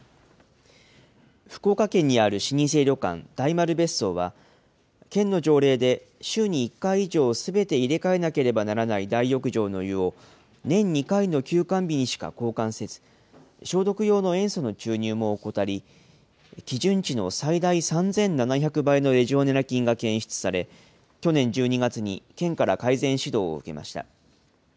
福岡県にある老舗旅館、大丸別荘は、県の条例で週に１回以上すべて入れ替えなければならない大浴場の湯を、年２回の休館日にしか交換せず、消毒用の塩素の注入も怠り、基準値の最大３７００倍のレジオネラ菌が検出され、去年１２月に県から改善指導を受けました。